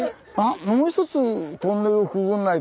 もう一つトンネルくぐんないと。